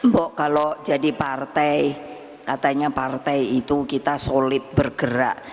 bu kalau jadi partai katanya partai itu kita solid bergerak